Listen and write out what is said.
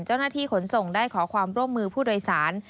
เจ้าหน้าที่ขนส่งได้ขอความร่วมมือผู้โดยสาร